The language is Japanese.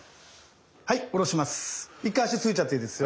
はい下ろします。